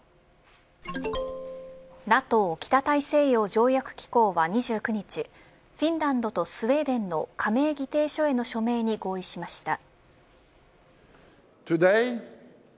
ＮＡＴＯ北大西洋条約機構は２９日フィンランドとスウェーデンの加盟議定書への署名に合意しました。